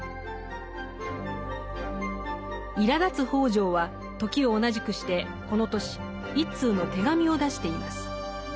いらだつ北條は時を同じくしてこの年一通の手紙を出しています。